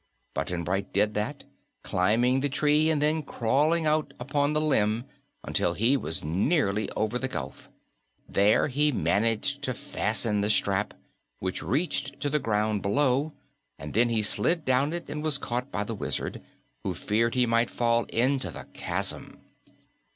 Button Bright did that, climbing the tree and then crawling out upon the limb until he was nearly over the gulf. There he managed to fasten the strap, which reached to the ground below, and then he slid down it and was caught by the Wizard, who feared he might fall into the chasm.